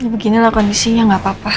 beginilah kondisinya nggak apa apa